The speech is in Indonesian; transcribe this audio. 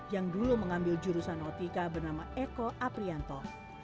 yang dulu mengambil jurusan otika bernama eko aprianto